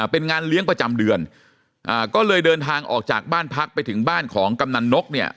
เป็นงานเลี้ยงประจำเดือนก็เลยเดินทางออกจากบ้านพักไปถึงบ้านของกำนันนกเนี่ย